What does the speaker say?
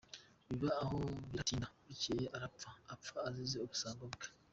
Biba aho biratinda bukeye arapfa; apfa azize ubusambo bwe.